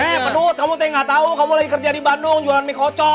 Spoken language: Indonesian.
hei penut kamu tuh yang gak tau kamu lagi kerja di bandung jualan mie kocok